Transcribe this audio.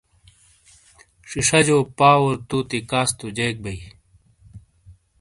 شیشاجو پاؤر تو تِیکاس تو جیک بئیی۔